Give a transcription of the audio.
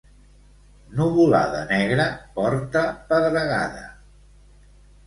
Nuvolada negra porta pedregada.